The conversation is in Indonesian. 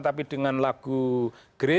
tapi dengan lagu gereja